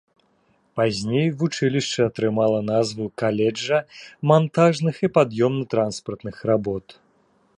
Пазней вучылішча атрымала назву каледжа мантажных і пад'ёмна-транспартных работ.